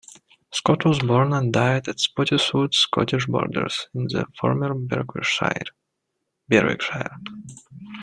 Scott was born and died at Spottiswoode, Scottish Borders, in the former Berwickshire.